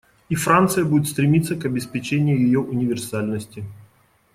И Франция будет стремиться к обеспечению ее универсальности.